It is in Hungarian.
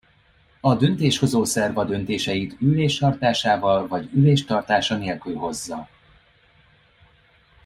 A döntéshozó szerv a döntéseit ülés tartásával vagy ülés tartása nélkül hozza.